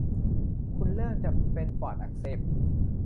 คุณเริ่มจะเป็นปอดอักเสบ